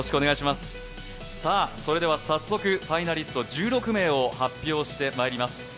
それでは早速、ファイナリスト１６名を発表してまいります。